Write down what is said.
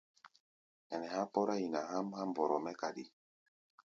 Ɛnɛ há̧ kpɔ́rá nyina há̧ʼm há̧ mbɔrɔ mɛ́ kaɗi.